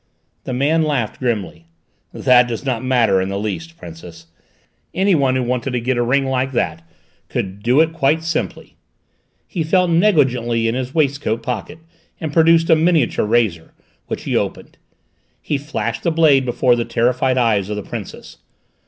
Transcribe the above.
The man laughed grimly. "That does not matter in the least, Princess. Anyone who wanted to get a ring like that could do it quite simply." He felt negligently in his waistcoat pocket and produced a miniature razor, which he opened. He flashed the blade before the terrified eyes of the Princess.